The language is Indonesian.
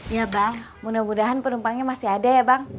ya bang mudah mudahan penumpangnya masih ada ya bang